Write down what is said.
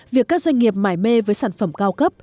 việc các doanh nghiệp mải mê với sản phẩm cao cấp